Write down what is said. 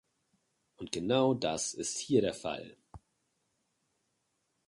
Und genau das ist hier der Fall.